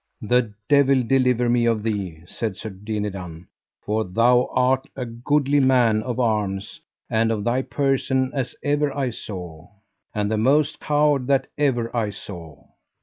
The devil deliver me of thee, said Sir Dinadan, for thou art as goodly a man of arms and of thy person as ever I saw, and the most coward that ever I saw.